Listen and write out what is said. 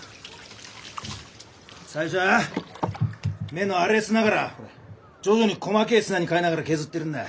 最初は目の粗え砂からほれ徐々に細けえ砂に変えながら削ってるんだ。